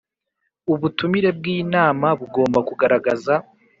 Ubutumire bw inama bugomba kugaragaza